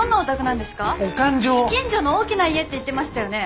近所の大きな家って言ってましたよね。